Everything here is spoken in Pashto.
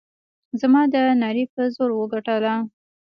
زما د نعرې په زور وګټله.